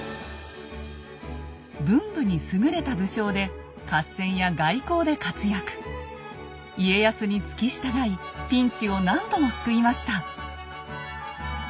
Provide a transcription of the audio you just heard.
文武に優れた武将で家康に付き従いピンチを何度も救いました。